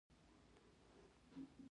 هغه د خپل ملکیت تر کچې را ټیټوو.